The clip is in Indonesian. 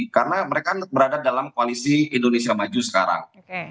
karena mereka berada dalam koalisi indonesia maju sekarang